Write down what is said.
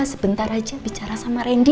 sebentar aja bicara sama randy